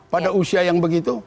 pada usia yang begitu